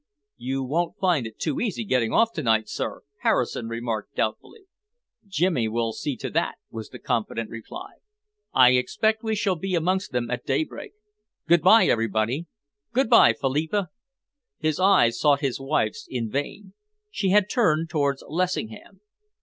"You won't find it too easy getting off to night, sir," Harrison remarked doubtfully. "Jimmy will see to that," was the confident reply. "I expect we shall be amongst them at daybreak. Good by, everybody! Good by, Philippa!" His eyes sought his wife's in vain. She had turned towards Lessingham.